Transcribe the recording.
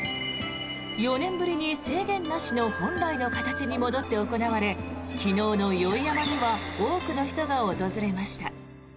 ４年ぶりに制限なしの本来の形に戻って行われ昨日の宵山には多くの人が訪れました。